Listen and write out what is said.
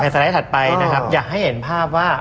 สไลด์ถัดไปนะครับอยากให้เห็นภาพว่า